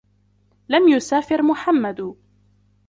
لَمْ يُسَافِرْ مُحَمَّدٌ.